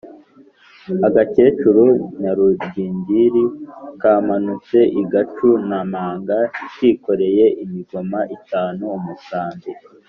Agakecuru Nyarudindiri kamanutse i Gacu na Mpanga kikoreye imigoma itanu-Umusambi.